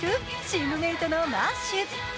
チームメイトのマーシュ。